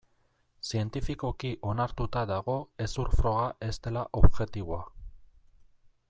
Zientifikoki onartuta dago hezur froga ez dela objektiboa.